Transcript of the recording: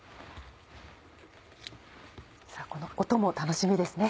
さぁこの音も楽しみですね。